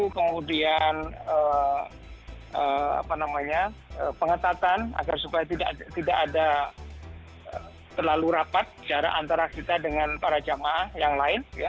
kemudian pengetatan agar supaya tidak ada terlalu rapat jarak antara kita dengan para jamaah yang lain